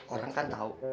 orang kan tahu